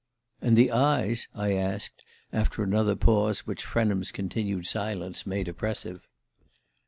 "And the eyes?" I asked, after another pause which Frenham's continued silence made oppressive.